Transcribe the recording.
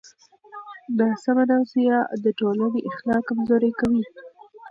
ناسمه تغذیه د ټولنې اخلاق کمزوري کوي.